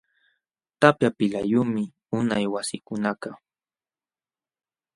Tapya pilqayumi unay wasikunakaq.